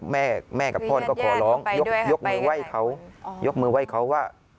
แม่แม่กับพ่อนก็ขอร้องยกมือไหว้เขายกมือไหว้เขาว่า